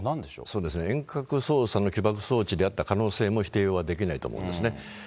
そうですね、遠隔操作の起爆装置であった可能性も否定はできないと思いますね。